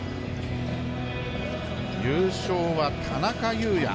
優勝は田中優弥。